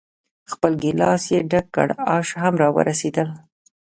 خپل ګیلاس یې ډک کړ، آش هم را ورسېدل.